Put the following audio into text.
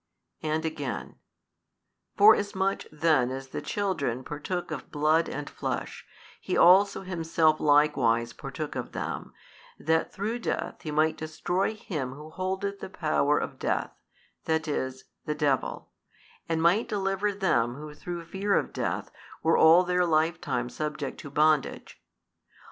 And again: Forasmuch then as the children partook of blood and flesh, He also Himself likewise partook of them, that through death He might destroy him who holdeth the power of death, that is, the devil, and might deliver them who through fear of death were all their lifetime subject to bondage.